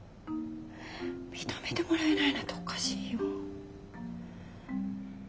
認めてもらえないなんておかしいよ。